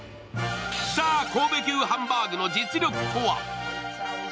さあ、神戸牛ハンバーグの実力とは？